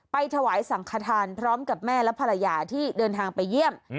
ถวายสังขทานพร้อมกับแม่และภรรยาที่เดินทางไปเยี่ยม